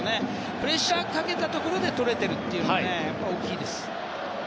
プレッシャーをかけたところで取れているのが大きいです。